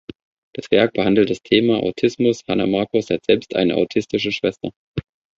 Das Werk behandelt das Thema Autismus; Hannah Marcus hat selbst eine autistische Schwester.